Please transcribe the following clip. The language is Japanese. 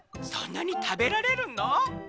「そんなにたべられるの？」。